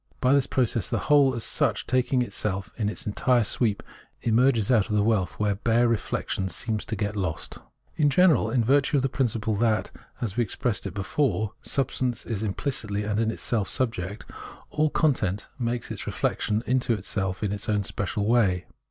By this process the whole as such, taking itself in its entire sweep, emerges out of the wealth where bare reflection seemed to get lost. In general, in virtue of the principle that, as we expressed it before, substance is implicitly and in itself subject, all content makes its reflection into itself in its own special way.